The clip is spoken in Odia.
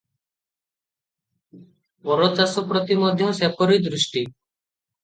ପର ଚାଷ ପ୍ରତି ମଧ୍ୟ ସେପରି ଦୃଷ୍ଟି ।